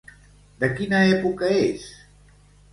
De quina època és?